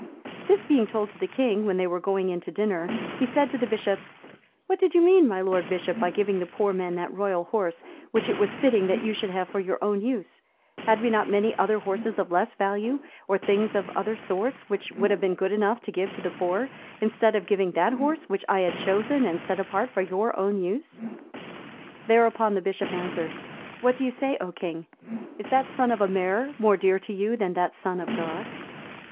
This being told to the king, when they were going in to dinner, he said to the Bishop, "What did you mean, my lord Bishop, by giving the poor man that royal horse, which it was fitting that you should have for your own use? Had not we many other horses of less value, or things of other sorts, which would have been good enough to give to the poor, instead of giving that horse, which I had chosen and set apart for your own use?" Thereupon the Bishop answered, "What do you say, O king? Is that son of a mare more dear to you than that son of God?"